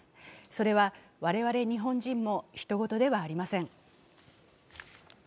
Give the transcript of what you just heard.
それは、我々日本人もひと事ではありません。